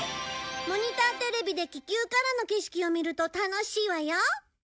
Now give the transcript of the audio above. モニターテレビで気球からの景色を見ると楽しいわよ。